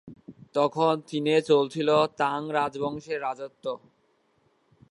তখন চীনে চলছিল তাং রাজবংশের রাজত্ব।